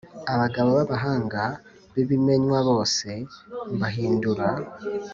Abagabo b abahanga b ibimenywabose mbahindura